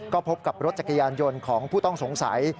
ก็พบกับรถจักรยานยนต์ของผู้ต้องสงสัย